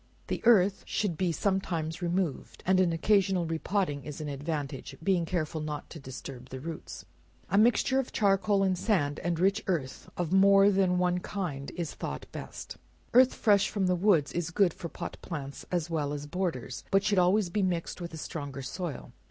The earth should be sometimes removed, and an occasional re potting, is an advantage; being careful not to disturb the roots. A mixture of charcoal and sand, and rich earth of more than one kind is thought best. Earth fresh from the woods is good for pot plants, as well as borders, but should always be mixed with a stronger soil.